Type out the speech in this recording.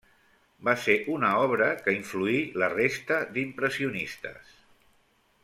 Va ser una obra que influí la resta d'impressionistes.